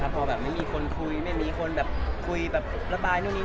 ทำสิ่งที่เขาขอไม่มีคนคุยแบบคุยแบบระบายโน้นนี่นั่นอะไรอย่างเนี้ย